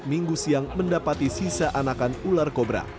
minggu siang mendapati sisa anakan ular kobra